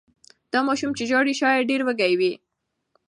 دا ماشوم چې ژاړي شاید ډېر وږی وي.